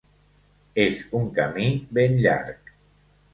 És un camí ben llarg.